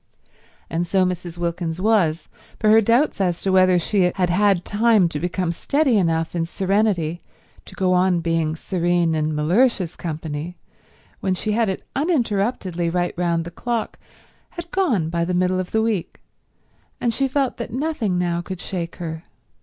And so Mrs. Wilkins was; for her doubts as to whether she had had time to become steady enough in serenity to go on being serene in Mellersh's company when she had it uninterruptedly right round the clock, had gone by the middle of the week, and she felt that nothing now could shake her.